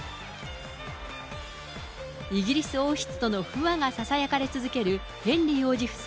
イギリス王室との不和がささやかれ続けるヘンリー王子夫妻。